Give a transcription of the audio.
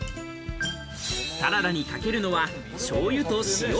サラダにかけるのは、しょうゆと塩。